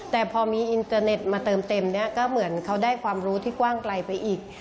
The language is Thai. แต่พอมีอินเตอร์เน็ตมาเติมเต็มเนี่ยก็เหมือนเขาได้ความรู้ที่กว้างไกลไปอีก